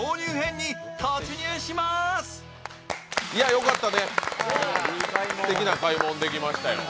よかったね、すてきな買いもんできましたよ。